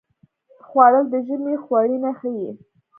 خوړل د ژمي خوړینه ښيي